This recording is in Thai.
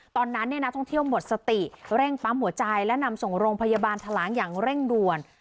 ตอนนั้นนักท่องเที่ยวหมดสติเร่งปั๊มหัวใจและนำส่งโรงพยาบาลทะลางอย่างเร่งด่วน